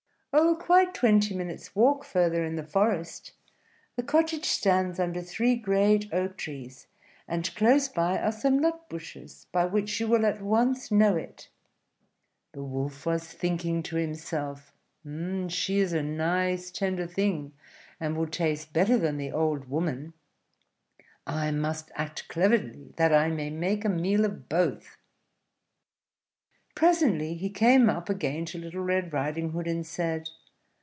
"Oh, quite twenty minutes' walk further in the forest. The cottage stands under three great oak trees; and close by are some nut bushes, by which you will at once know it." The wolf was thinking to himself, "She is a nice tender thing, and will taste better than the old woman; I must act cleverly, that I may make a meal of both." [Illustration: "WHERE ARE YOU GOING SO EARLY, LITTLE RED RIDING HOOD."] Presently he came up again to Little Red Riding Hood and said.